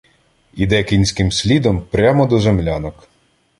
Іде кінським слідом прямо до землянок.